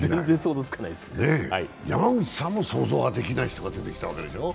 山口さんも想像ができない人が出てきたわけでしょう？